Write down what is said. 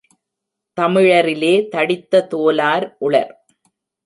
தமிழரிலே தடித்த தோலார் உளர்.